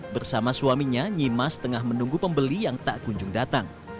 bersama suaminya nyimas tengah menunggu pembeli yang tak kunjung datang